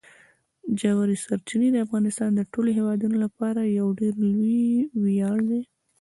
ژورې سرچینې د افغانستان د ټولو هیوادوالو لپاره یو ډېر لوی ویاړ دی.